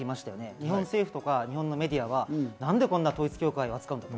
「日本政府とか日本のメディアは何でこんな統一教会を扱うんだ」と。